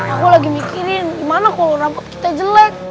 aku lagi mikirin gimana kalo nampak kita jelek